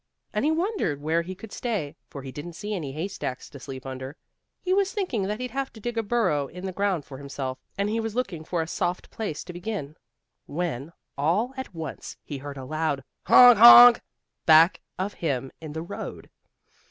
And he wondered where he could stay, for he didn't see any haystacks to sleep under. He was thinking that he'd have to dig a burrow in the ground for himself, and he was looking for a soft place to begin, when, all at once, he heard a loud "Honk Honk!" back of him in the road.